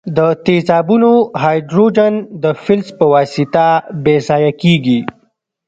د تیزابونو هایدروجن د فلز په واسطه بې ځایه کیږي.